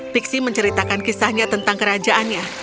pixi menceritakan kisahnya tentang kerajaannya